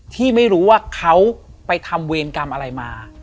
ที่ไม่รู้ว่าเขาไปทำเวรกรรมอะไรมา